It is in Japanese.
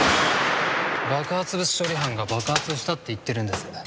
爆発物処理班が爆発したって言ってるんです。